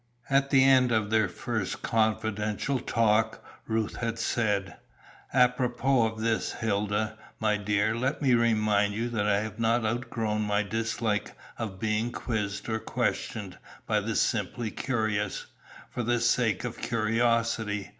At the end of their first confidential talk Ruth had said: "Apropos of this, Hilda, my dear, let me remind you that I have not outgrown my dislike of being quizzed or questioned by the simply curious, for the sake of curiosity.